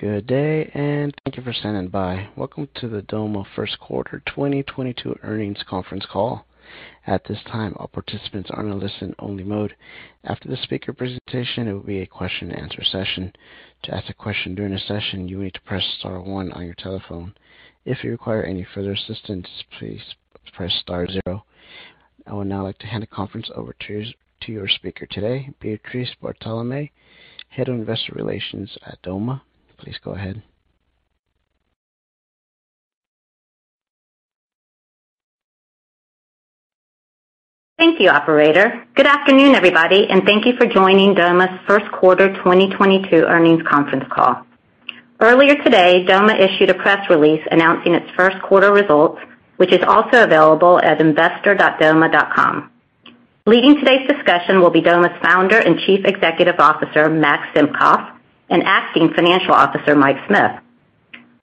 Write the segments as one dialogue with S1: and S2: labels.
S1: Good day, and thank you for standing by. Welcome to the Doma first quarter 2022 earnings conference call. At this time, all participants are in a listen only mode. After the speaker presentation, it will be a question and answer session. To ask a question during the session, you need to press star one on your telephone. If you require any further assistance, please press star zero. I would now like to hand the conference over to your speaker today, Beatriz Bartolome, Head of Investor Relations at Doma. Please go ahead.
S2: Thank you, operator. Good afternoon, everybody, and thank you for joining Doma's first quarter 2022 earnings conference call. Earlier today, Doma issued a press release announcing its first quarter results, which is also available at investor.doma.com. Leading today's discussion will be Doma's founder and Chief Executive Officer, Max Simkoff, and Acting Chief Financial Officer, Mike Smith.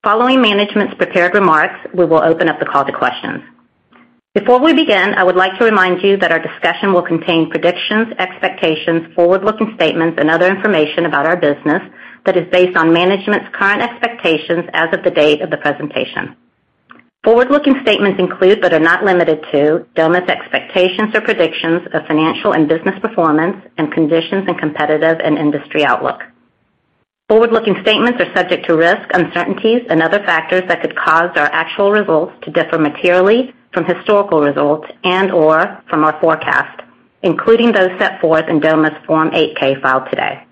S2: Following management's prepared remarks, we will open up the call to questions. Before we begin, I would like to remind you that our discussion will contain predictions, expectations, forward-looking statements and other information about our business that is based on management's current expectations as of the date of the presentation. Forward-looking statements include, but are not limited to, Doma's expectations or predictions of financial and business performance and conditions and competitive and industry outlook. Forward-looking statements are subject to risks, uncertainties and other factors that could cause our actual results to differ materially from historical results and/or from our forecast, including those set forth in Doma's Form 8-K filed today.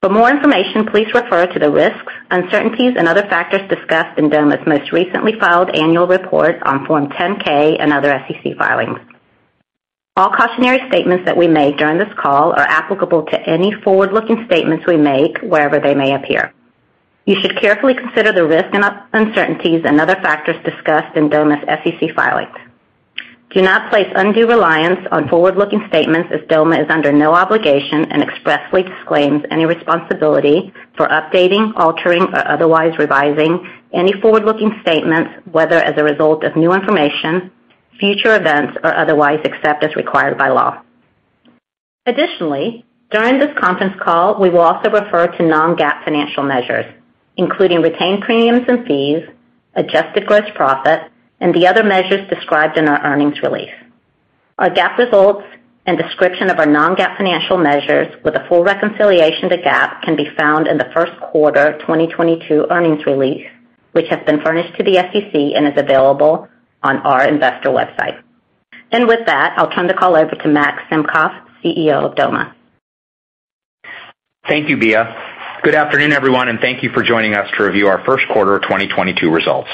S2: For more information, please refer to the risks, uncertainties and other factors discussed in Doma's most recently filed annual report on Form 10-K and other SEC filings. All cautionary statements that we make during this call are applicable to any forward-looking statements we make wherever they may appear. You should carefully consider the risks and uncertainties and other factors discussed in Doma's SEC filings. Do not place undue reliance on forward-looking statements as Doma is under no obligation and expressly disclaims any responsibility for updating, altering or otherwise revising any forward-looking statements, whether as a result of new information, future events or otherwise, except as required by law. Additionally, during this conference call, we will also refer to non-GAAP financial measures, including retained premiums and fees, adjusted gross profit and the other measures described in our earnings release. Our GAAP results and description of our non-GAAP financial measures with a full reconciliation to GAAP can be found in the first quarter 2022 earnings release, which has been furnished to the SEC and is available on our investor website. With that, I'll turn the call over to Max Simkoff, CEO of Doma.
S3: Thank you, Bea. Good afternoon, everyone, and thank you for joining us to review our first quarter of 2022 results.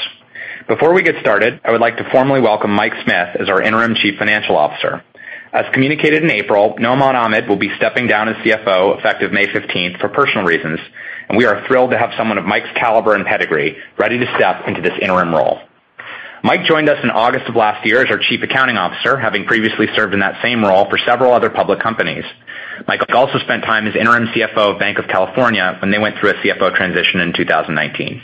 S3: Before we get started, I would like to formally welcome Mike Smith as our interim Chief Financial Officer. As communicated in April, Noaman Ahmad will be stepping down as CFO effective May fifteenth for personal reasons, and we are thrilled to have someone of Mike's caliber and pedigree ready to step into this interim role. Mike joined us in August of last year as our Chief Accounting Officer, having previously served in that same role for several other public companies. Mike also spent time as interim CFO of Banc of California when they went through a CFO transition in 2019.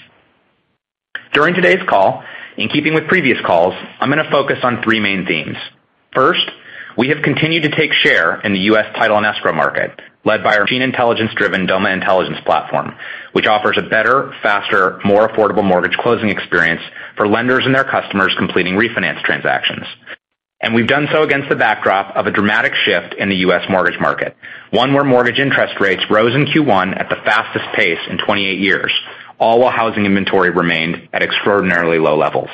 S3: During today's call, in keeping with previous calls, I'm going to focus on three main themes. First, we have continued to take share in the U.S. title and escrow market, led by our machine intelligence-driven Doma Intelligence platform, which offers a better, faster, more affordable mortgage closing experience for lenders and their customers completing refinance transactions. We've done so against the backdrop of a dramatic shift in the U.S. mortgage market, one where mortgage interest rates rose in Q1 at the fastest pace in 28 years, all while housing inventory remained at extraordinarily low levels.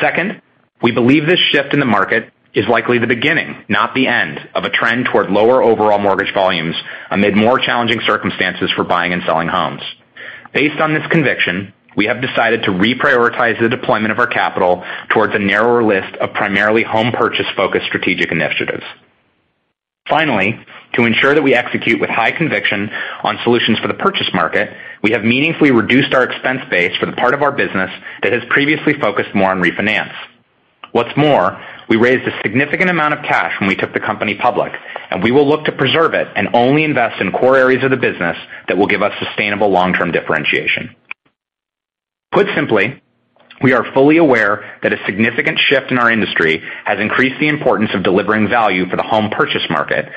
S3: Second, we believe this shift in the market is likely the beginning, not the end, of a trend toward lower overall mortgage volumes amid more challenging circumstances for buying and selling homes. Based on this conviction, we have decided to reprioritize the deployment of our capital towards a narrower list of primarily home purchase-focused strategic initiatives. Finally, to ensure that we execute with high conviction on solutions for the purchase market, we have meaningfully reduced our expense base for the part of our business that has previously focused more on refinance. What's more, we raised a significant amount of cash when we took the company public, and we will look to preserve it and only invest in core areas of the business that will give us sustainable long-term differentiation. Put simply, we are fully aware that a significant shift in our industry has increased the importance of delivering value for the home purchase market,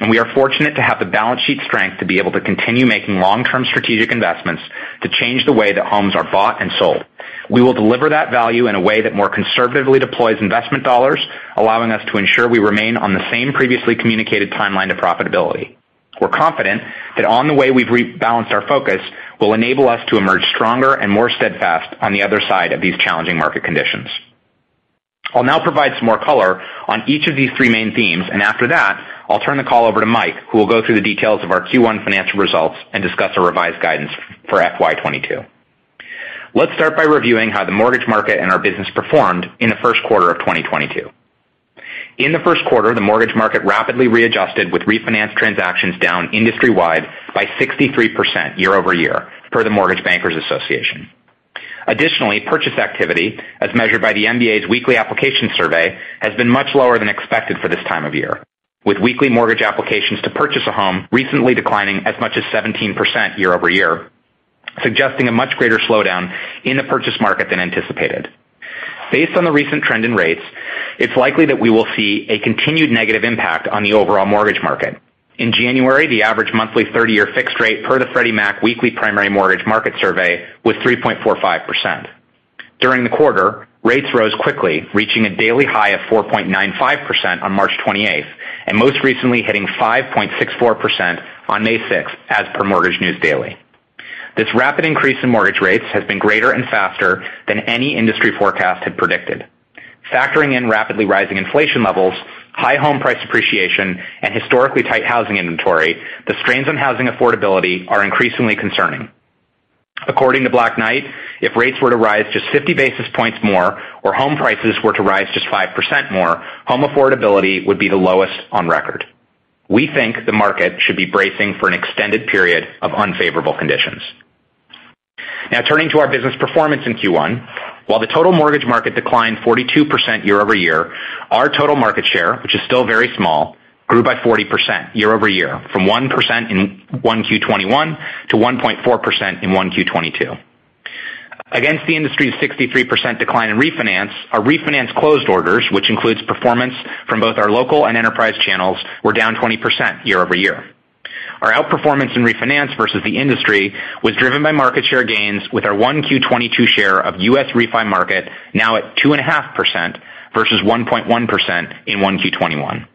S3: and we are fortunate to have the balance sheet strength to be able to continue making long-term strategic investments to change the way that homes are bought and sold. We will deliver that value in a way that more conservatively deploys investment dollars, allowing us to ensure we remain on the same previously communicated timeline to profitability. We're confident that the way we've rebalanced our focus will enable us to emerge stronger and more steadfast on the other side of these challenging market conditions. I'll now provide some more color on each of these three main themes, and after that, I'll turn the call over to Mike, who will go through the details of our Q1 financial results and discuss a revised guidance for FY 2022. Let's start by reviewing how the mortgage market and our business performed in the first quarter of 2022. In the first quarter, the mortgage market rapidly readjusted with refinance transactions down industry-wide by 63% year-over-year per the Mortgage Bankers Association. Additionally, purchase activity, as measured by the MBA's weekly application survey, has been much lower than expected for this time of year, with weekly mortgage applications to purchase a home recently declining as much as 17% year-over-year, suggesting a much greater slowdown in the purchase market than anticipated. Based on the recent trend in rates, it's likely that we will see a continued negative impact on the overall mortgage market. In January, the average monthly 30-year fixed rate per the Freddie Mac Primary Mortgage Market Survey was 3.45%. During the quarter, rates rose quickly, reaching a daily high of 4.95% on March twenty-eighth, and most recently hitting 5.64% on May 6th, as per Mortgage News Daily. This rapid increase in mortgage rates has been greater and faster than any industry forecast had predicted. Factoring in rapidly rising inflation levels, high home price appreciation, and historically tight housing inventory, the strains on housing affordability are increasingly concerning. According to Black Knight, if rates were to rise just 50 basis points more or home prices were to rise just 5% more, home affordability would be the lowest on record. We think the market should be bracing for an extended period of unfavorable conditions. Now turning to our business performance in Q1. While the total mortgage market declined 42% year-over-year, our total market share, which is still very small, grew by 40% year-over-year from 1% in 1Q 2021 to 1.4% in 1Q 2022. Against the industry's 63% decline in refinance, our refinance closed orders, which includes performance from both our local and enterprise channels, were down 20% year-over-year. Our outperformance in refinance versus the industry was driven by market share gains with our 1Q 2022 share of U.S. refi market now at 2.5% versus 1.1% in 1Q 2021.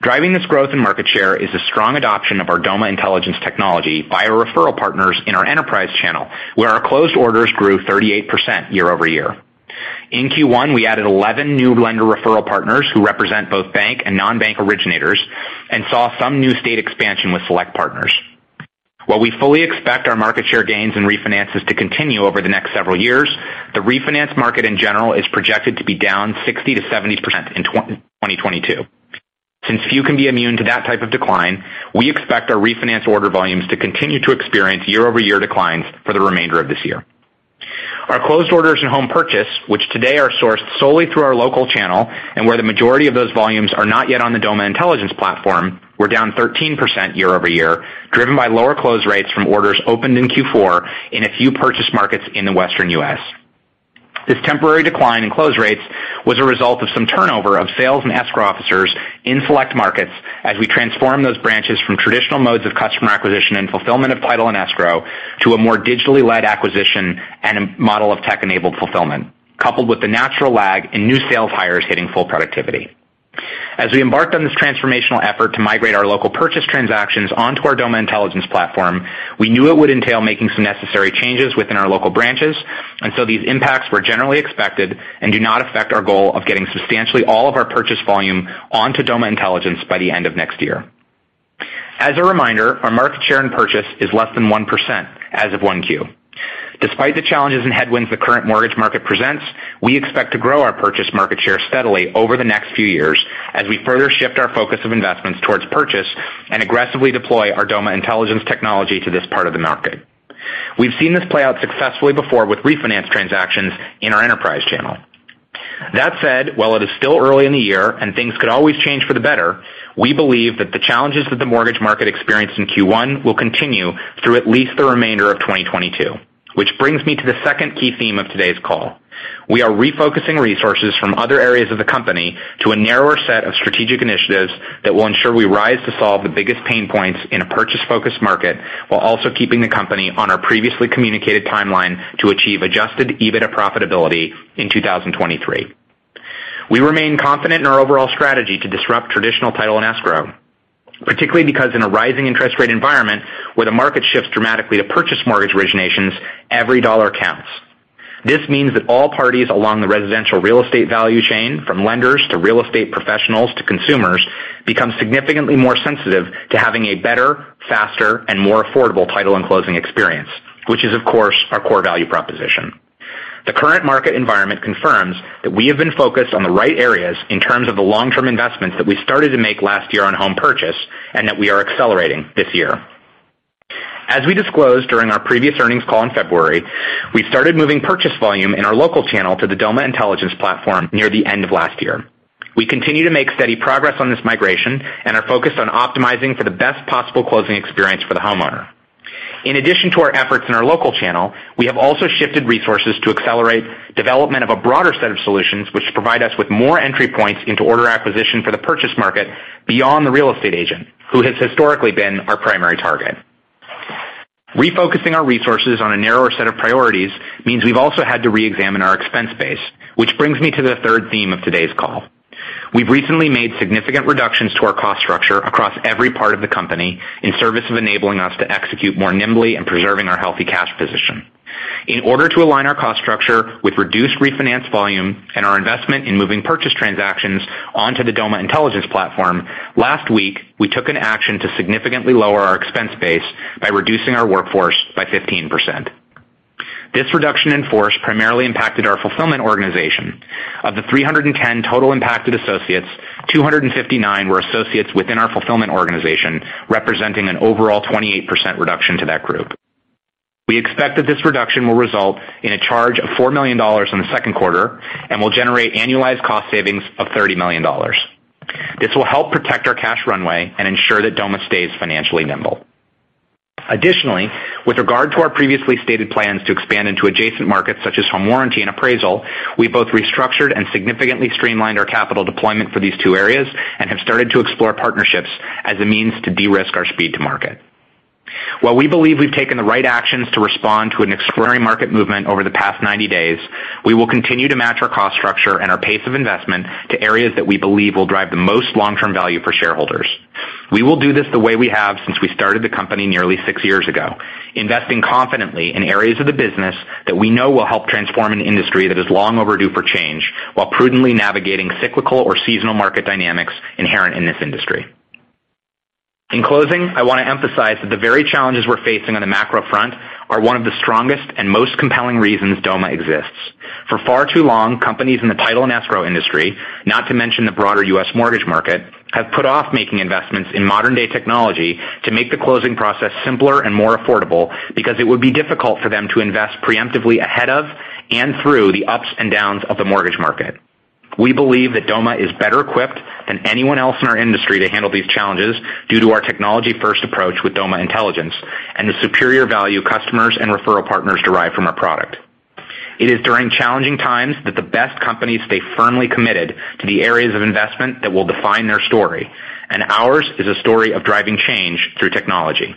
S3: Driving this growth in market share is a strong adoption of our Doma Intelligence technology by our referral partners in our enterprise channel, where our closed orders grew 38% year-over-year. In Q1, we added 11 new lender referral partners who represent both bank and non-bank originators and saw some new state expansion with select partners. While we fully expect our market share gains and refinances to continue over the next several years, the refinance market, in general, is projected to be down 60%-70% in 2022. Since few can be immune to that type of decline, we expect our refinance order volumes to continue to experience year-over-year declines for the remainder of this year. Our closed orders in home purchase, which today are sourced solely through our local channel and where the majority of those volumes are not yet on the Doma Intelligence platform, were down 13% year-over-year, driven by lower close rates from orders opened in Q4 in a few purchase markets in the Western U.S. This temporary decline in close rates was a result of some turnover of sales and escrow officers in select markets as we transform those branches from traditional modes of customer acquisition and fulfillment of title and escrow to a more digitally led acquisition and model of tech-enabled fulfillment, coupled with the natural lag in new sales hires hitting full productivity. As we embarked on this transformational effort to migrate our local purchase transactions onto our Doma Intelligence platform, we knew it would entail making some necessary changes within our local branches, and so these impacts were generally expected and do not affect our goal of getting substantially all of our purchase volume onto Doma Intelligence by the end of next year. As a reminder, our market share in purchase is less than 1% as of 1Q. Despite the challenges and headwinds the current mortgage market presents, we expect to grow our purchase market share steadily over the next few years as we further shift our focus of investments towards purchase and aggressively deploy our Doma Intelligence technology to this part of the market. We've seen this play out successfully before with refinance transactions in our enterprise channel. That said, while it is still early in the year and things could always change for the better, we believe that the challenges that the mortgage market experienced in Q1 will continue through at least the remainder of 2022, which brings me to the second key theme of today's call. We are refocusing resources from other areas of the company to a narrower set of strategic initiatives that will ensure we rise to solve the biggest pain points in a purchase-focused market while also keeping the company on our previously communicated timeline to achieve adjusted EBITDA profitability in 2023. We remain confident in our overall strategy to disrupt traditional title and escrow, particularly because in a rising interest rate environment where the market shifts dramatically to purchase mortgage originations, every dollar counts. This means that all parties along the residential real estate value chain, from lenders to real estate professionals to consumers, become significantly more sensitive to having a better, faster, and more affordable title and closing experience, which is, of course, our core value proposition. The current market environment confirms that we have been focused on the right areas in terms of the long-term investments that we started to make last year on home purchase and that we are accelerating this year. As we disclosed during our previous earnings call in February, we started moving purchase volume in our local channel to the Doma Intelligence platform near the end of last year. We continue to make steady progress on this migration and are focused on optimizing for the best possible closing experience for the homeowner. In addition to our efforts in our local channel, we have also shifted resources to accelerate development of a broader set of solutions which provide us with more entry points into order acquisition for the purchase market beyond the real estate agent, who has historically been our primary target. Refocusing our resources on a narrower set of priorities means we've also had to reexamine our expense base, which brings me to the third theme of today's call. We've recently made significant reductions to our cost structure across every part of the company in service of enabling us to execute more nimbly and preserving our healthy cash position. In order to align our cost structure with reduced refinance volume and our investment in moving purchase transactions onto the Doma Intelligence platform, last week, we took an action to significantly lower our expense base by reducing our workforce by 15%. This reduction in force primarily impacted our fulfillment organization. Of the 310 total impacted associates, 259 were associates within our fulfillment organization, representing an overall 28% reduction to that group. We expect that this reduction will result in a charge of $4 million in the second quarter and will generate annualized cost savings of $30 million. This will help protect our cash runway and ensure that Doma stays financially nimble. Additionally, with regard to our previously stated plans to expand into adjacent markets such as home warranty and appraisal, we both restructured and significantly streamlined our capital deployment for these two areas and have started to explore partnerships as a means to de-risk our speed to market. While we believe we've taken the right actions to respond to an extraordinary market movement over the past 90 days, we will continue to match our cost structure and our pace of investment to areas that we believe will drive the most long-term value for shareholders. We will do this the way we have since we started the company nearly six years ago, investing confidently in areas of the business that we know will help transform an industry that is long overdue for change while prudently navigating cyclical or seasonal market dynamics inherent in this industry. In closing, I want to emphasize that the very challenges we're facing on the macro front are one of the strongest and most compelling reasons Doma exists. For far too long, companies in the title and escrow industry, not to mention the broader U.S. mortgage market, have put off making investments in modern-day technology to make the closing process simpler and more affordable because it would be difficult for them to invest preemptively ahead of and through the ups and downs of the mortgage market. We believe that Doma is better equipped than anyone else in our industry to handle these challenges due to our technology-first approach with Doma Intelligence and the superior value customers and referral partners derive from our product. It is during challenging times that the best companies stay firmly committed to the areas of investment that will define their story, and ours is a story of driving change through technology.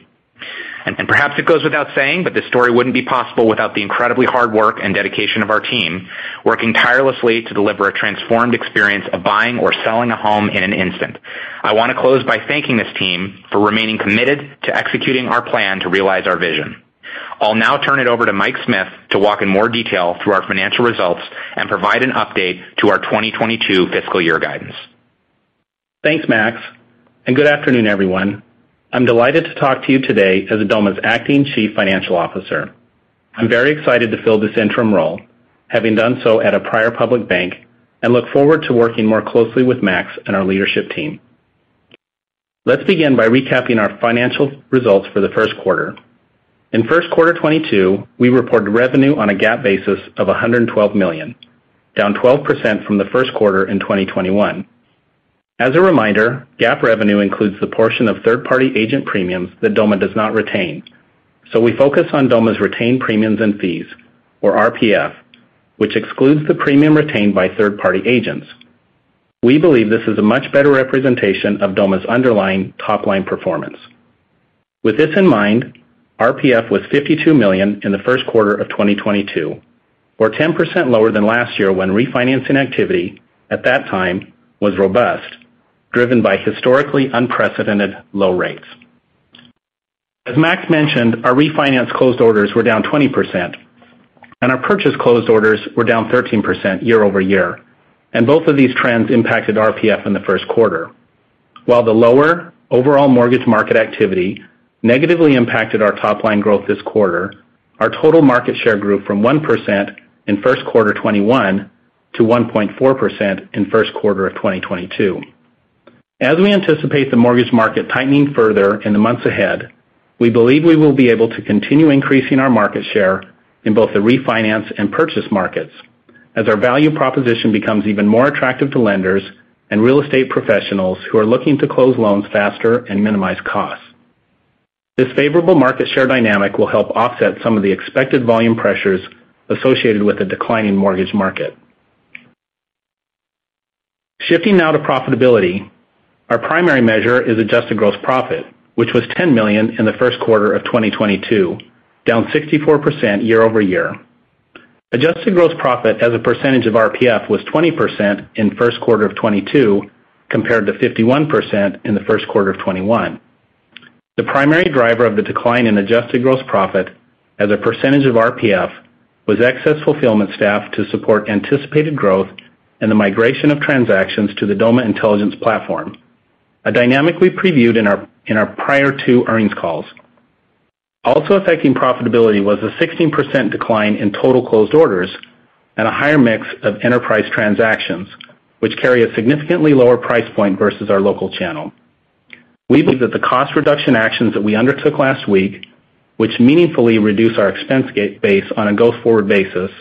S3: Perhaps it goes without saying, but this story wouldn't be possible without the incredibly hard work and dedication of our team, working tirelessly to deliver a transformed experience of buying or selling a home in an instant. I want to close by thanking this team for remaining committed to executing our plan to realize our vision. I'll now turn it over to Mike Smith to walk in more detail through our financial results and provide an update to our 2022 fiscal year guidance.
S4: Thanks, Max, and good afternoon, everyone. I'm delighted to talk to you today as Doma's Acting Chief Financial Officer. I'm very excited to fill this interim role, having done so at a prior public bank, and look forward to working more closely with Max and our leadership team. Let's begin by recapping our financial results for the first quarter. In first quarter 2022, we reported revenue on a GAAP basis of $112 million, down 12% from the first quarter in 2021. As a reminder, GAAP revenue includes the portion of third-party agent premiums that Doma does not retain. We focus on Doma's retained premiums and fees, or RPF, which excludes the premium retained by third-party agents. We believe this is a much better representation of Doma's underlying top-line performance. With this in mind, RPF was $52 million in the first quarter of 2022, or 10% lower than last year when refinancing activity at that time was robust, driven by historically unprecedented low rates. As Max mentioned, our refinance closed orders were down 20%, and our purchase closed orders were down 13% year over year, and both of these trends impacted RPF in the first quarter. While the lower overall mortgage market activity negatively impacted our top-line growth this quarter, our total market share grew from 1% in first quarter 2021 to 1.4% in first quarter of 2022. As we anticipate the mortgage market tightening further in the months ahead, we believe we will be able to continue increasing our market share in both the refinance and purchase markets as our value proposition becomes even more attractive to lenders and real estate professionals who are looking to close loans faster and minimize costs. This favorable market share dynamic will help offset some of the expected volume pressures associated with the declining mortgage market. Shifting now to profitability. Our primary measure is adjusted gross profit, which was $10 million in the first quarter of 2022, down 64% year-over-year. Adjusted gross profit as a percentage of RPF was 20% in first quarter of 2022, compared to 51% in the first quarter of 2021. The primary driver of the decline in adjusted gross profit as a percentage of RPF was excess fulfillment staff to support anticipated growth and the migration of transactions to the Doma Intelligence platform, a dynamic we previewed in our prior two earnings calls. Also affecting profitability was a 16% decline in total closed orders and a higher mix of enterprise transactions, which carry a significantly lower price point versus our local channel. We believe that the cost reduction actions that we undertook last week, which meaningfully reduce our expense base on a go-forward basis,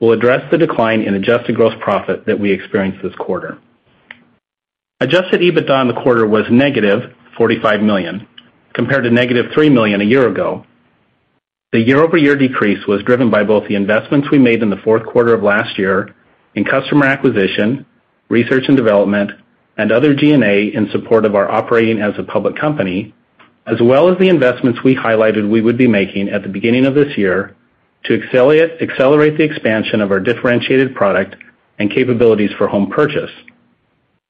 S4: will address the decline in adjusted gross profit that we experienced this quarter. Adjusted EBITDA in the quarter was negative $45 million, compared to negative $3 million a year ago. The year-over-year decrease was driven by both the investments we made in the fourth quarter of last year in customer acquisition, research and development, and other G&A in support of our operating as a public company, as well as the investments we highlighted we would be making at the beginning of this year to accelerate the expansion of our differentiated product and capabilities for home purchase.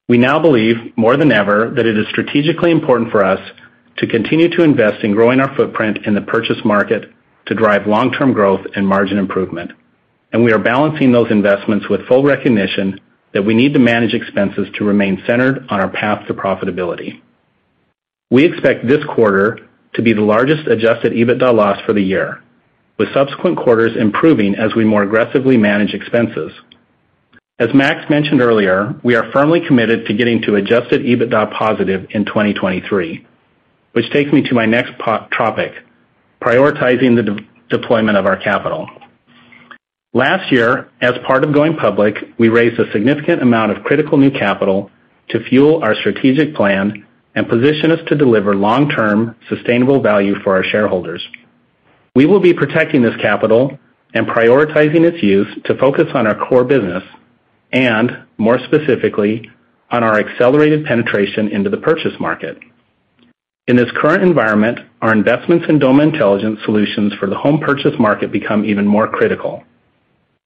S4: We now believe more than ever that it is strategically important for us to continue to invest in growing our footprint in the purchase market to drive long-term growth and margin improvement, and we are balancing those investments with full recognition that we need to manage expenses to remain centered on our path to profitability. We expect this quarter to be the largest adjusted EBITDA loss for the year, with subsequent quarters improving as we more aggressively manage expenses. As Max mentioned earlier, we are firmly committed to getting to adjusted EBITDA positive in 2023, which takes me to my next topic, prioritizing the deployment of our capital. Last year, as part of going public, we raised a significant amount of critical new capital to fuel our strategic plan and position us to deliver long-term sustainable value for our shareholders. We will be protecting this capital and prioritizing its use to focus on our core business and more specifically, on our accelerated penetration into the purchase market. In this current environment, our investments in Doma Intelligence solutions for the home purchase market become even more critical.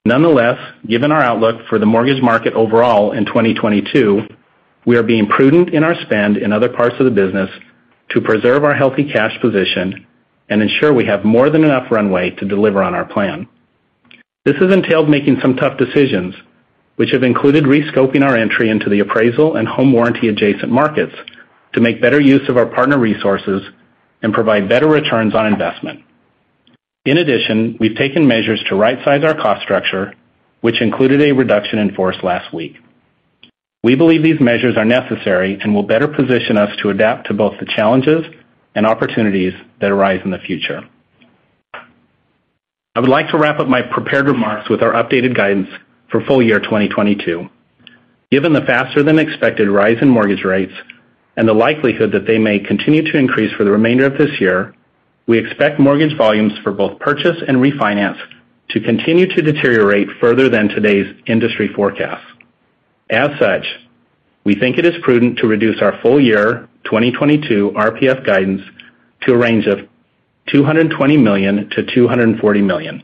S4: Nonetheless, given our outlook for the mortgage market overall in 2022, we are being prudent in our spend in other parts of the business to preserve our healthy cash position and ensure we have more than enough runway to deliver on our plan. This has entailed making some tough decisions, which have included re-scoping our entry into the appraisal and home warranty adjacent markets to make better use of our partner resources and provide better returns on investment. In addition, we've taken measures to right-size our cost structure, which included a reduction in force last week. We believe these measures are necessary and will better position us to adapt to both the challenges and opportunities that arise in the future. I would like to wrap up my prepared remarks with our updated guidance for full year 2022. Given the faster-than-expected rise in mortgage rates and the likelihood that they may continue to increase for the remainder of this year, we expect mortgage volumes for both purchase and refinance to continue to deteriorate further than today's industry forecast. As such, we think it is prudent to reduce our full year 2022 RPF guidance to a range of $220 million-$240 million.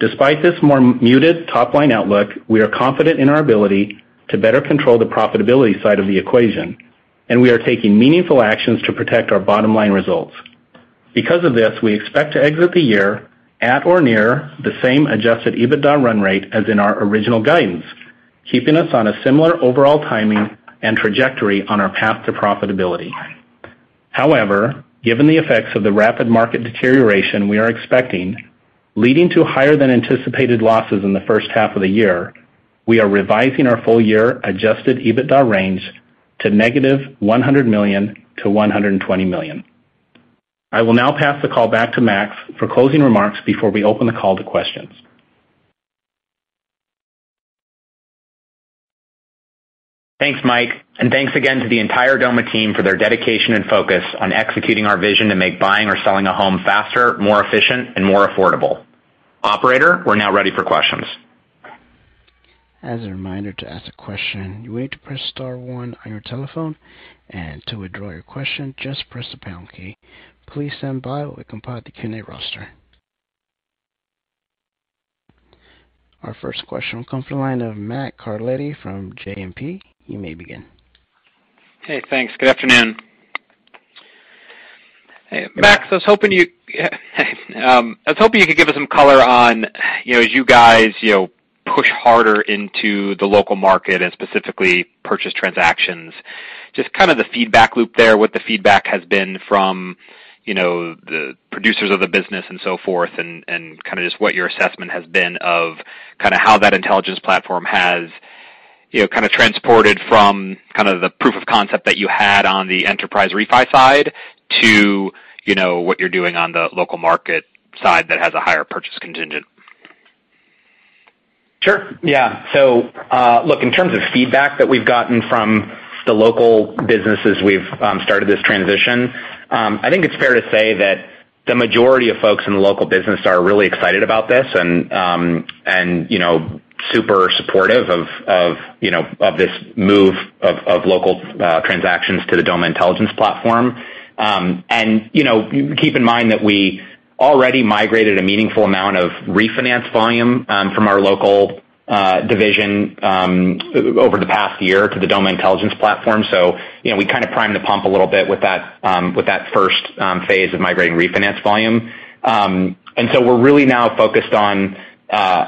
S4: Despite this more muted top-line outlook, we are confident in our ability to better control the profitability side of the equation, and we are taking meaningful actions to protect our bottom-line results. Because of this, we expect to exit the year at or near the same adjusted EBITDA run rate as in our original guidance, keeping us on a similar overall timing and trajectory on our path to profitability. However, given the effects of the rapid market deterioration we are expecting, leading to higher than anticipated losses in the first half of the year, we are revising our full year adjusted EBITDA range to -$100 million-$120 million. I will now pass the call back to Max for closing remarks before we open the call to questions.
S3: Thanks, Mike, and thanks again to the entire Doma team for their dedication and focus on executing our vision to make buying or selling a home faster, more efficient and more affordable. Operator, we're now ready for questions.
S1: As a reminder to ask a question, you need to press star one on your telephone, and to withdraw your question, just press the pound key. Please stand by while we compile the Q&A roster. Our first question will come from the line of Matt Carletti from JMP. You may begin.
S5: Hey, thanks. Good afternoon. Max, I was hoping you could give us some color on, you know, as you guys, you know, push harder into the local market and specifically purchase transactions, just kind of the feedback loop there, what the feedback has been from, you know, the producers of the business and so forth, and kind of just what your assessment has been of kind of how that intelligence platform has, you know, kind of transported from kind of the enterprise refi side to, you know, what you're doing on the local market side that has a higher purchase contingent.
S3: Sure, yeah. Look, in terms of feedback that we've gotten from the local businesses, we've started this transition. I think it's fair to say that the majority of folks in the local business are really excited about this and you know super supportive of you know of this move of local transactions to the Doma Intelligence platform. You know, keep in mind that we already migrated a meaningful amount of refinance volume from our local division over the past year to the Doma Intelligence platform. You know, we kind of primed the pump a little bit with that first phase of migrating refinance volume. We're really now focused on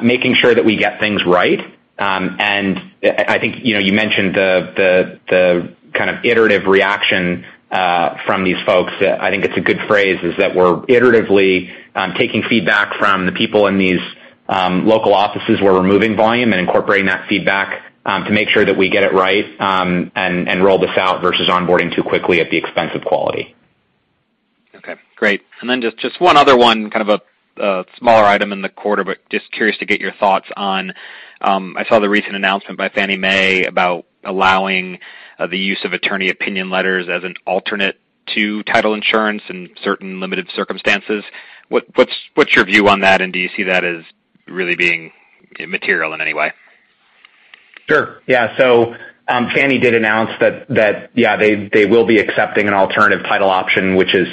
S3: making sure that we get things right. I think, you know, you mentioned the kind of iterative reaction from these folks. I think it's a good phrase is that we're iteratively taking feedback from the people in these local offices where we're moving volume and incorporating that feedback to make sure that we get it right, and roll this out versus onboarding too quickly at the expense of quality.
S5: Okay, great. Just one other one, kind of a smaller item in the quarter, but just curious to get your thoughts on, I saw the recent announcement by Fannie Mae about allowing the use of attorney opinion letters as an alternative to title insurance in certain limited circumstances. What's your view on that? Do you see that as really being material in any way?
S3: Sure. Yeah. Fannie did announce that they will be accepting an alternative title option, which is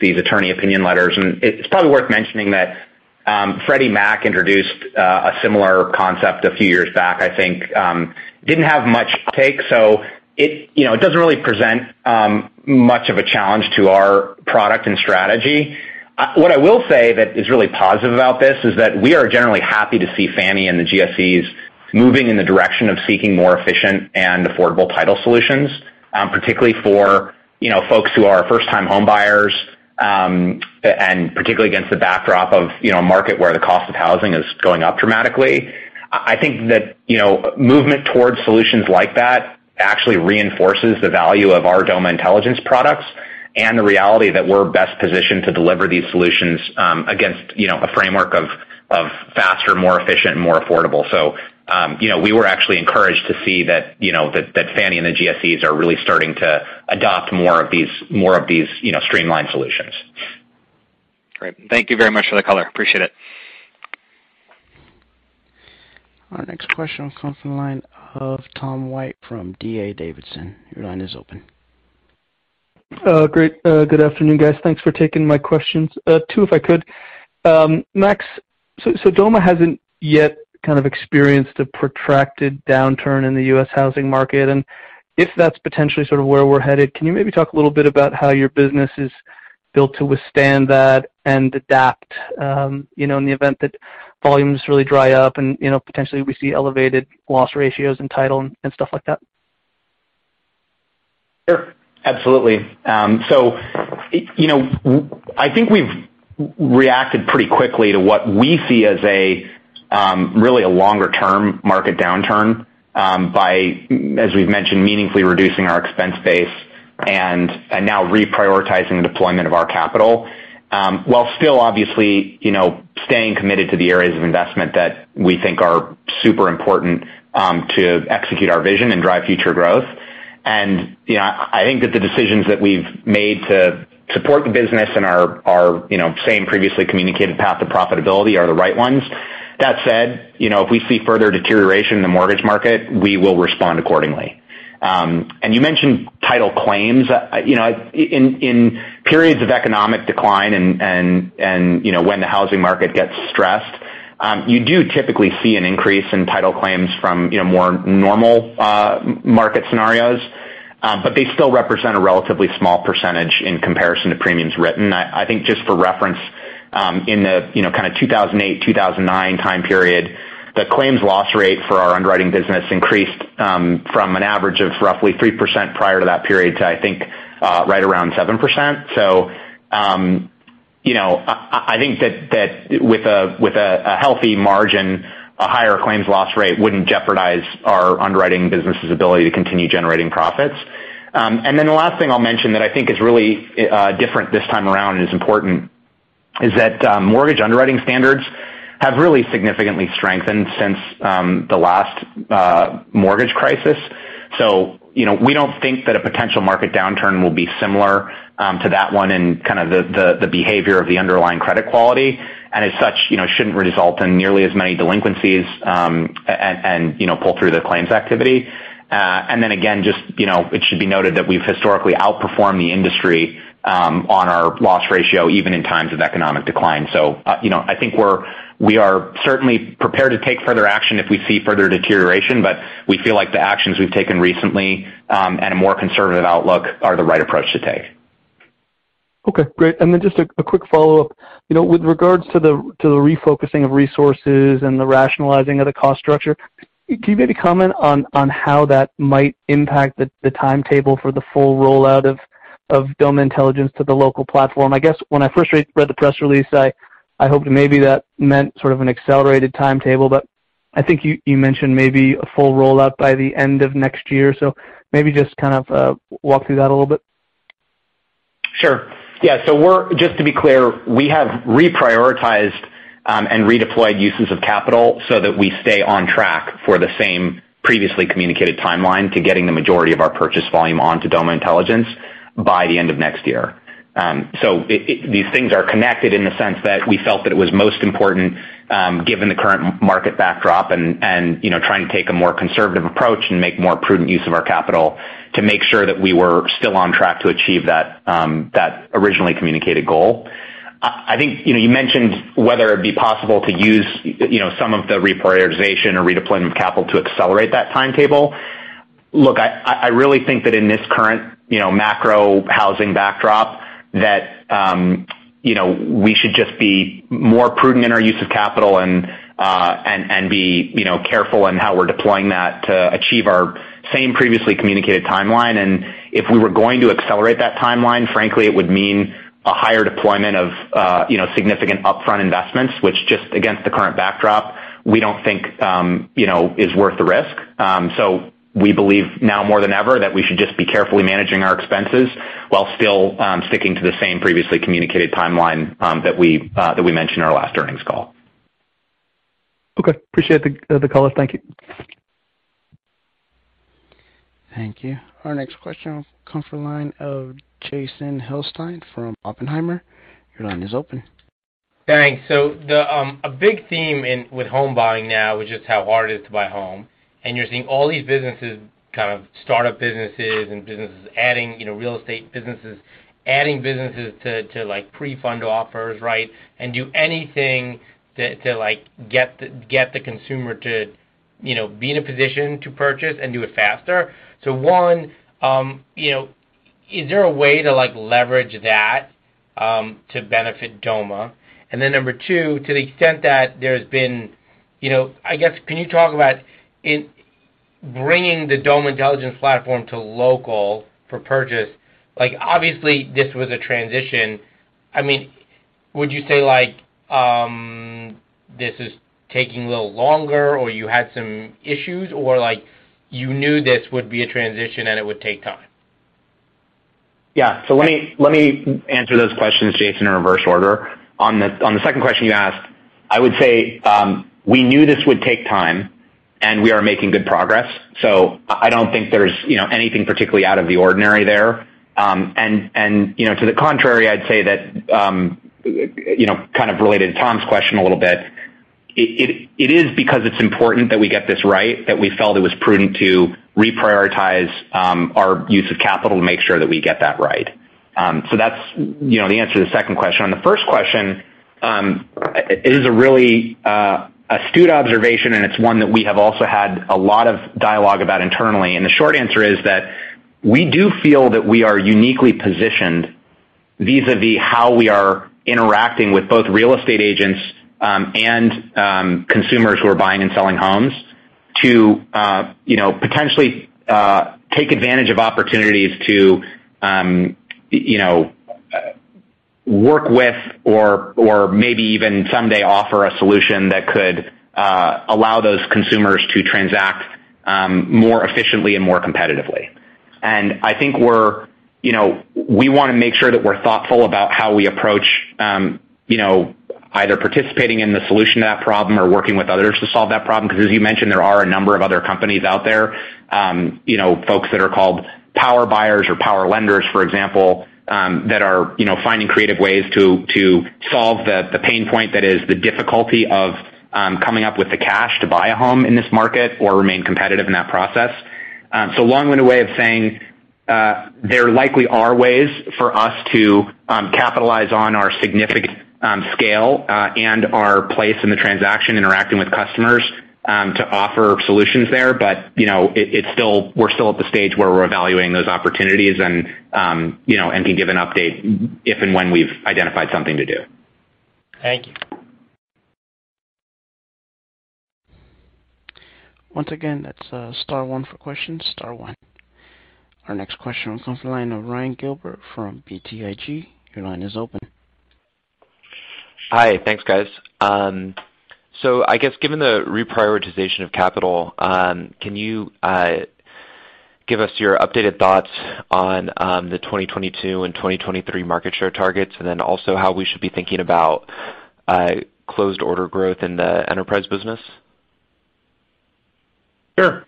S3: these attorney opinion letters. It's probably worth mentioning that Freddie Mac introduced a similar concept a few years back, I think. Didn't have much uptake, so it you know it doesn't really present much of a challenge to our product and strategy. What I will say that is really positive about this is that we are generally happy to see Fannie and the GSEs moving in the direction of seeking more efficient and affordable title solutions, particularly for, you know, folks who are first-time homebuyers, and particularly against the backdrop of, you know, a market where the cost of housing is going up dramatically. I think that, you know, movement towards solutions like that actually reinforces the value of our Doma Intelligence products and the reality that we're best positioned to deliver these solutions, against, you know, a framework of faster, more efficient, and more affordable. You know, we were actually encouraged to see that Fannie and the GSEs are really starting to adopt more of these streamlined solutions.
S5: Great. Thank you very much for the color. Appreciate it.
S1: Our next question comes from the line of Tom White from D.A. Davidson. Your line is open.
S6: Great. Good afternoon, guys. Thanks for taking my questions. Two, if I could. Max, so Doma hasn't yet kind of experienced a protracted downturn in the U.S. housing market. If that's potentially sort of where we're headed, can you maybe talk a little bit about how your business is built to withstand that and adapt, you know, in the event that volumes really dry up and, you know, potentially we see elevated loss ratios in title and stuff like that?
S3: Sure. Absolutely. You know, I think we've reacted pretty quickly to what we see as really a longer term market downturn, by, as we've mentioned, meaningfully reducing our expense base and now reprioritizing the deployment of our capital, while still obviously, you know, staying committed to the areas of investment that we think are super important to execute our vision and drive future growth. You know, I think that the decisions that we've made to support the business and our you know, same previously communicated path to profitability are the right ones. That said, you know, if we see further deterioration in the mortgage market, we will respond accordingly. You mentioned title claims. You know, in periods of economic decline and you know, when the housing market gets stressed, you do typically see an increase in title claims from you know, more normal market scenarios. They still represent a relatively small percentage in comparison to premiums written. I think just for reference, in the you know, kinda 2008, 2009 time period, the claims loss rate for our underwriting business increased from an average of roughly 3% prior to that period to I think right around 7%. You know, I think that with a healthy margin, a higher claims loss rate wouldn't jeopardize our underwriting business's ability to continue generating profits. The last thing I'll mention that I think is really different this time around and is important is that mortgage underwriting standards have really significantly strengthened since the last mortgage crisis. You know, we don't think that a potential market downturn will be similar to that one in kind of the behavior of the underlying credit quality, and as such, you know, shouldn't result in nearly as many delinquencies and, you know, pull through the claims activity. Just, you know, it should be noted that we've historically outperformed the industry on our loss ratio, even in times of economic decline. you know, I think we are certainly prepared to take further action if we see further deterioration, but we feel like the actions we've taken recently, and a more conservative outlook are the right approach to take.
S6: Okay, great. Then just a quick follow-up. You know, with regards to the refocusing of resources and the rationalizing of the cost structure, can you maybe comment on how that might impact the timetable for the full rollout of Doma Intelligence to the local platform? I guess when I first read the press release, I hoped maybe that meant sort of an accelerated timetable, but I think you mentioned maybe a full rollout by the end of next year. Maybe just kind of walk through that a little bit.
S3: Sure. Yeah. We're just to be clear, we have reprioritized and redeployed uses of capital so that we stay on track for the same previously communicated timeline to getting the majority of our purchase volume onto Doma Intelligence by the end of next year. These things are connected in the sense that we felt that it was most important, given the current market backdrop and you know, trying to take a more conservative approach and make more prudent use of our capital to make sure that we were still on track to achieve that originally communicated goal. I think you know, you mentioned whether it'd be possible to use you know, some of the reprioritization or redeployment of capital to accelerate that timetable. Look, I really think that in this current, you know, macro housing backdrop, that, you know, we should just be more prudent in our use of capital and be, you know, careful in how we're deploying that to achieve our same previously communicated timeline. If we were going to accelerate that timeline, frankly, it would mean a higher deployment of, you know, significant upfront investments, which, just against the current backdrop, we don't think, you know, is worth the risk. We believe now more than ever that we should just be carefully managing our expenses while still sticking to the same previously communicated timeline that we mentioned in our last earnings call.
S6: Okay. Appreciate the color. Thank you.
S1: Thank you. Our next question comes from the line of Jason Helfstein from Oppenheimer. Your line is open.
S7: Thanks. A big theme in with home buying now is just how hard it is to buy a home. You're seeing all these businesses, kind of startup businesses and businesses adding, you know, real estate businesses, adding businesses to like pre-fund offers, right? Do anything to like get the consumer to, you know, be in a position to purchase and do it faster. One, you know, is there a way to like leverage that to benefit Doma? Then number two, to the extent that there's been, you know, I guess, can you talk about integrating the Doma Intelligence platform to loan for purchase, like obviously this was a transition.
S8: I mean, would you say like, this is taking a little longer or you had some issues or like you knew this would be a transition and it would take time?
S3: Yeah. Let me answer those questions, Jason, in reverse order. On the second question you asked, I would say, we knew this would take time and we are making good progress. I don't think there's, you know, anything particularly out of the ordinary there. And, you know, to the contrary, I'd say that, you know, kind of related to Tom's question a little bit, it is because it's important that we get this right, that we felt it was prudent to reprioritize, our use of capital to make sure that we get that right. That's, you know, the answer to the second question. On the first question, it is a really, astute observation, and it's one that we have also had a lot of dialogue about internally. The short answer is that we do feel that we are uniquely positioned vis-a-vis how we are interacting with both real estate agents, and consumers who are buying and selling homes to, you know, potentially, take advantage of opportunities to, you know, work with or maybe even someday offer a solution that could, allow those consumers to transact, more efficiently and more competitively. I think we're, you know, we wanna make sure that we're thoughtful about how we approach, you know, either participating in the solution to that problem or working with others to solve that problem, because as you mentioned, there are a number of other companies out there, you know, folks that are called power buyers or power lenders, for example, that are, you know, finding creative ways to solve the pain point that is the difficulty of coming up with the cash to buy a home in this market or remain competitive in that process. So long-winded way of saying, there likely are ways for us to capitalize on our significant scale and our place in the transaction interacting with customers to offer solutions there. You know, we're still at the stage where we're evaluating those opportunities and, you know, and can give an update if and when we've identified something to do.
S7: Thank you.
S1: Once again, that's star one for questions. Star one. Our next question comes from the line of Ryan Gilbert from BTIG. Your line is open.
S9: Hi. Thanks, guys. I guess given the reprioritization of capital, can you give us your updated thoughts on the 2022 and 2023 market share targets, and then also how we should be thinking about closed order growth in the enterprise business?
S3: Sure.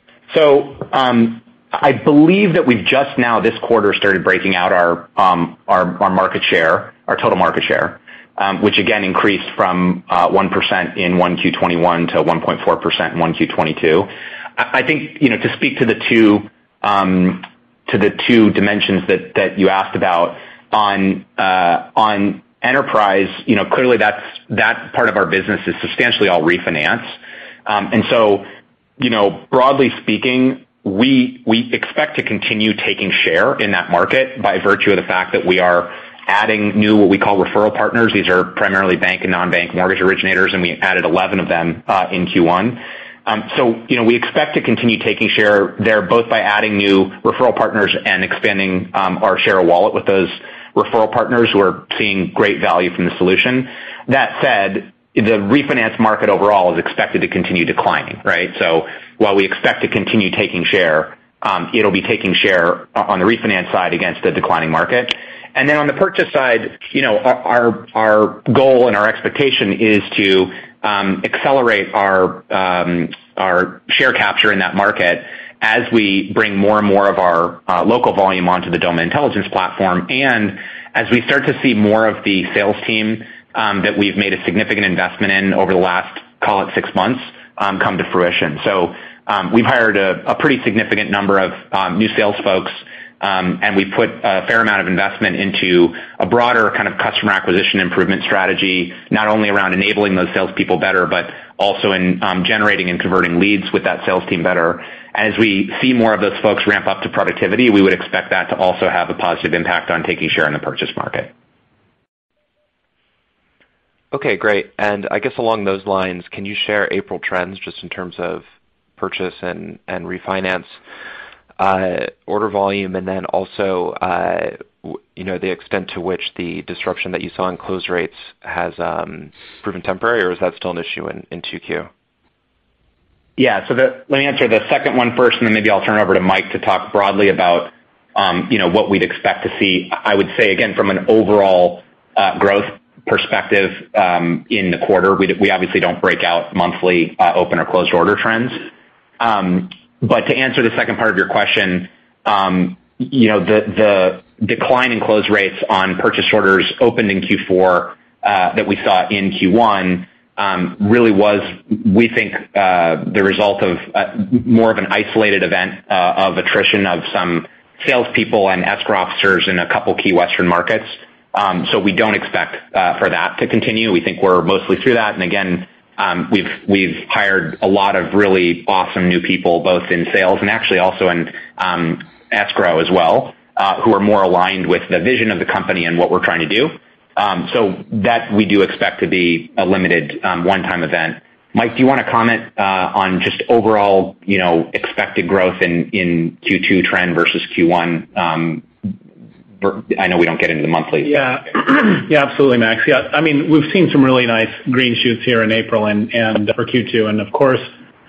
S3: I believe that we've just now this quarter started breaking out our market share, our total market share, which again increased from 1% in 1Q 2021 to 1.4% in 1Q 2022. I think, you know, to speak to the two dimensions that you asked about on enterprise, you know, clearly that's that part of our business is substantially all refinance. You know, broadly speaking, we expect to continue taking share in that market by virtue of the fact that we are adding new, what we call referral partners. These are primarily bank and non-bank mortgage originators, and we added 11 of them in Q1. You know, we expect to continue taking share there both by adding new referral partners and expanding our share of wallet with those referral partners who are seeing great value from the solution. That said, the refinance market overall is expected to continue declining, right? While we expect to continue taking share, it'll be taking share on the refinance side against a declining market. On the purchase side, you know, our goal and our expectation is to accelerate our share capture in that market as we bring more and more of our local volume onto the Doma Intelligence platform. As we start to see more of the sales team that we've made a significant investment in over the last, call it six months, come to fruition. We've hired a pretty significant number of new sales folks, and we've put a fair amount of investment into a broader kind of customer acquisition improvement strategy, not only around enabling those salespeople better, but also in generating and converting leads with that sales team better. As we see more of those folks ramp up to productivity, we would expect that to also have a positive impact on taking share in the purchase market.
S9: Okay, great. I guess along those lines, can you share April trends just in terms of purchase and refinance order volume and then also, you know, the extent to which the disruption that you saw in close rates has proven temporary, or is that still an issue in 2Q?
S3: Yeah. Let me answer the second one first and then maybe I'll turn it over to Mike to talk broadly about, you know, what we'd expect to see. I would say again, from an overall, growth perspective, in the quarter, we obviously don't break out monthly, open or closed order trends. But to answer the second part of your question, you know, the decline in close rates on purchase orders opened in Q4, that we saw in Q1, really was, we think, the result of, more of an isolated event of attrition of some salespeople and escrow officers in a couple key Western markets. We don't expect for that to continue. We think we're mostly through that. Again, we've hired a lot of really awesome new people, both in sales and actually also in escrow as well, who are more aligned with the vision of the company and what we're trying to do. We do expect to be a limited one-time event. Mike, do you wanna comment on just overall, you know, expected growth in Q2 trend versus Q1? I know we don't get into the monthly.
S4: Yeah. Yeah, absolutely, Max. Yeah. I mean, we've seen some really nice green shoots here in April and for Q2, and of course,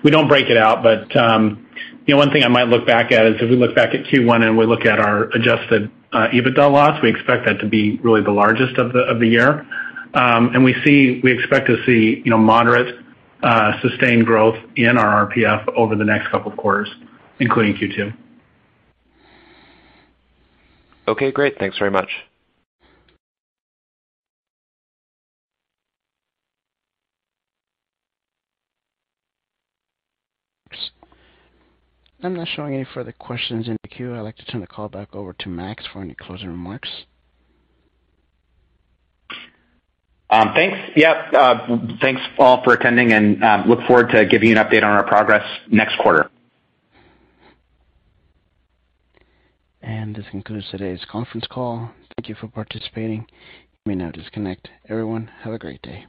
S4: we don't break it out. You know, one thing I might look back at is if we look back at Q1 and we look at our adjusted EBITDA loss, we expect that to be really the largest of the year. We expect to see, you know, moderate sustained growth in our RPF over the next couple of quarters, including Q2.
S9: Okay, great. Thanks very much.
S1: I'm not showing any further questions in the queue. I'd like to turn the call back over to Max for any closing remarks.
S3: Thanks. Yeah. Thanks all for attending and look forward to giving you an update on our progress next quarter.
S1: This concludes today's conference call. Thank you for participating. You may now disconnect. Everyone, have a great day.